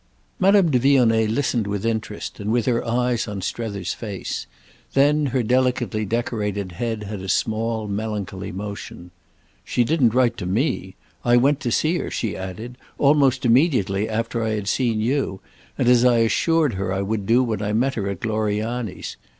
Madame de Vionnet listened with interest and with her eyes on Strether's face; then her delicately decorated head had a small melancholy motion. "She didn't write to me. I went to see her," she added, "almost immediately after I had seen you, and as I assured her I would do when I met her at Gloriani's.